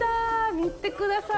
見てください。